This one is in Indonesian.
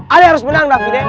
ale harus menang dah vinde